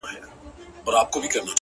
د ساغورث سختې قضيې! راته راوبهيدې!